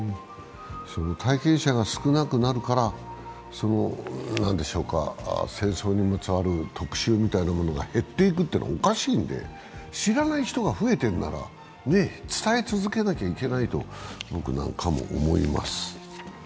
体験者が少なくなるから、戦争にまつわる特集みたいなものが減っていくというのはおかしいんで知らない人が増えているなら伝え続けなきゃいけないと、僕なんかも思います。